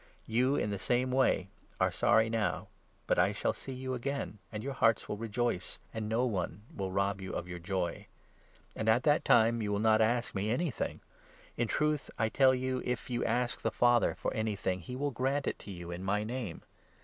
You, in the same 22 way, are sorry now ; but I shall see you again, and your hearts will rejoice, and no one will rob you of your joy. And 23 at that time you will not ask me anything ; in truth I tell you, if you ask the Father for anything, he will grant it to you in my Name.